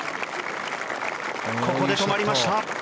ここで止まりました。